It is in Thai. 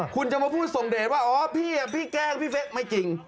คุณจะมาพูดส่งเดทว่าอ๋อพี่พี่แกล้งพี่เฟ๊ะไม่จริง